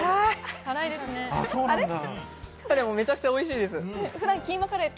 辛い、でもめちゃくちゃおいしいです。